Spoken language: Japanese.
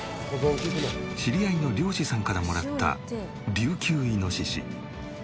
知り合いの猟師さんからもらったリュウキュウイノシシ。